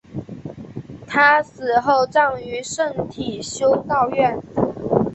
她死后葬于圣体修道院。